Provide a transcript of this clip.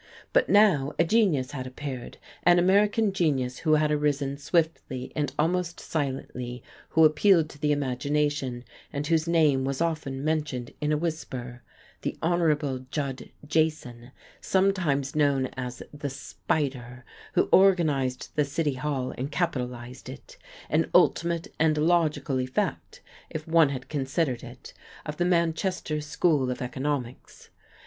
But now a genius had appeared, an American genius who had arisen swiftly and almost silently, who appealed to the imagination, and whose name was often mentioned in a whisper, the Hon. Judd Jason, sometimes known as the Spider, who organized the City Hall and capitalized it; an ultimate and logical effect if one had considered it of the Manchester school of economics.